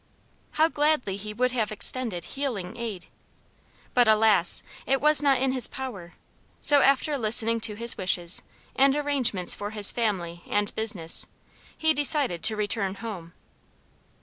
How gladly he would have extended healing aid. But, alas! it was not in his power; so, after listening to his wishes and arrangements for his family and business, he decided to return home.